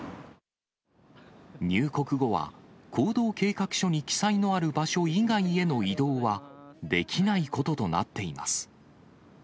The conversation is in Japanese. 入国後は、行動計画書に記載のある場所以外への移動はできないこととなっています。